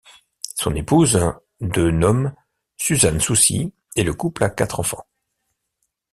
Son épouse de nomme Suzanne Soucy et le couple a quatre enfants.